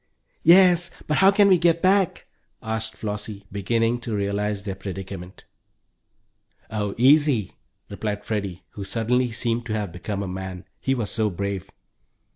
"Yes, but how can we get back?" asked Flossie, beginning to realize their predicament. "Oh, easy!" replied Freddie, who suddenly seemed to have become a man, he was so brave.